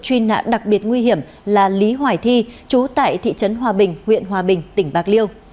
truy nạn đặc biệt nguy hiểm là lý hoài thi chú tại thị trấn hòa bình huyện hòa bình tỉnh bạc liêu